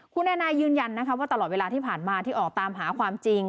คุณแอนายยืนยันนะคะว่าตลอดเวลาที่ผ่านมาที่ออกตามหาความจริง